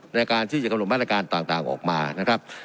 ในการที่จะกำหนดมาตรการต่างออกมานะครับ